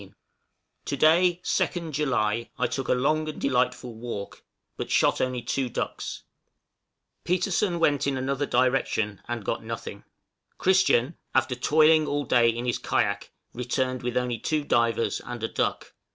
} To day (2nd July) I took a long and delightful walk, but shot only two ducks; Petersen went in another direction, and got nothing; Christian, after toiling all day in his kayak, returned with only two divers and a duck.